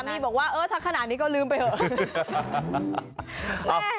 มีบอกว่าเออถ้าขนาดนี้ก็ลืมไปเถอะ